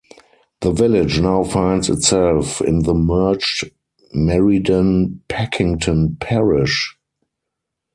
The village now finds itself in the merged Meriden-Packington parish.